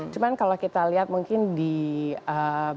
cuma kalau kita lihat mungkin di beberapa kategori